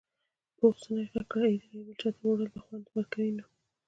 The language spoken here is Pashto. پوخ سنې غږ کړ ای جلۍ بل چاته وړل به خوند ورکوي نو.